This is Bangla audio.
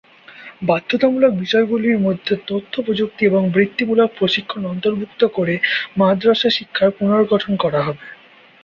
বাধ্যতামূলক বিষয়গুলির মধ্যে তথ্য প্রযুক্তি এবং বৃত্তিমূলক প্রশিক্ষণ অন্তর্ভুক্ত করে মাদ্রাসা শিক্ষার পুনর্গঠন করা হবে।